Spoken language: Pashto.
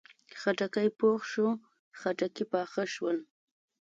خټکی پوخ شو، خټکي پاخه شول